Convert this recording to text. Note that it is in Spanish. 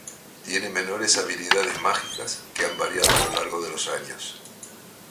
Tiene menores habilidades mágicas que han variado a lo largo de los años.